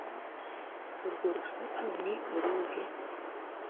urwo rusaku ni uruhe